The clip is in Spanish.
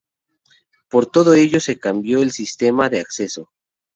Por todo ello se cambió el sistema de acceso.